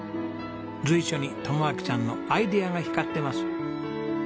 随所に友晃さんのアイデアが光ってます。